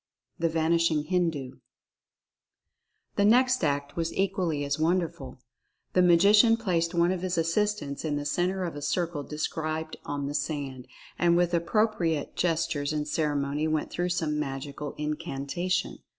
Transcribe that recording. THE VANISHING HINDU. The next act was equally as wonderful. The Ma gician placed one of his assistants in the center of a circle described on the sand, and with appropriate gestures and ceremony went through some magical incantation.